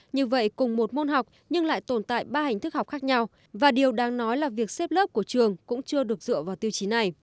như vậy cùng một môn học nhưng lại tồn tại ba hình thức học khác nhau và điều đáng nói là việc xếp lớp của trường cũng chưa được dựa vào tiêu chí này